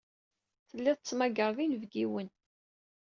Tellid tettmagared inebgiwen.